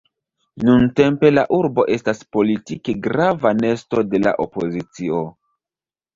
Nuntempe la urbo estas politike grava nesto de la opozicio.